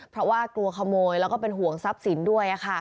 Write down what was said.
เพราะว่ากลัวขโมยแล้วก็เป็นห่วงทรัพย์สินด้วย